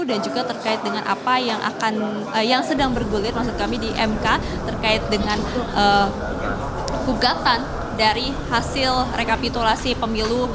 dan juga terkait dengan apa yang sedang bergulir di mk terkait dengan gugatan dari hasil rekapitulasi pemilu